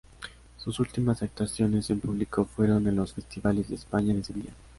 Sus últimas actuaciones en público fueron en los Festivales de España de Sevilla.